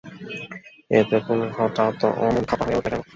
এতে তুমি হঠাৎ অমন খাপা হয়ে উঠলে কেন?